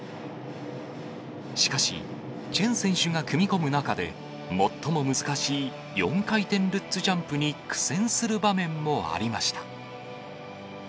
しかし、チェン選手が組み込む中で、最も難しい４回転ルッツジャンプに、苦戦する場面もありました。